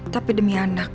tapi demi anak